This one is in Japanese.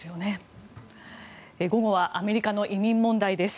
午後はアメリカの移民問題です。